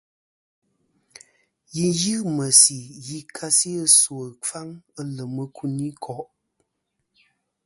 Yi yɨ meysi yi ka si ɨsu ɨkfaŋ ɨ lem ikuniko'.